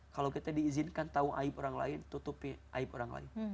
kalau kita diizinkan tahu aib orang lain tutupi aib orang lain